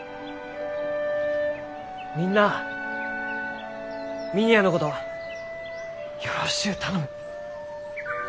みんなあ峰屋のことよろしゅう頼む。